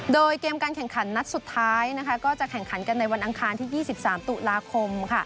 โดยเกมการแข่งขันนัดสุดท้ายก็จะแข่งขันกันในวันอังคารที่๒๓ตุลาคม